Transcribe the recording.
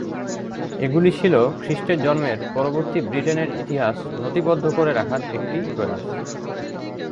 এগুলি ছিল খ্রিস্টের জন্মের পরবর্তী ব্রিটেনের ইতিহাস নথিবদ্ধ করে রাখার একটি প্রয়াস।